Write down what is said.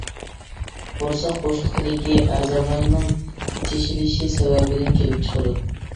قورساق بوشلۇقىدىكى ئەزالارنىڭ تېشىلىشى سەۋەبىدىن كېلىپ چىقىدۇ.